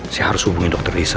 saya harus hubungi dokter lisa